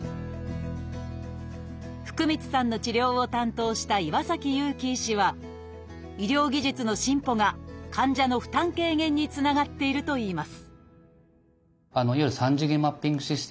福満さんの治療を担当した岩雄樹医師は医療技術の進歩が患者の負担軽減につながっているといいます